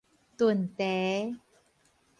燉蹄